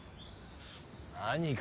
「何か？」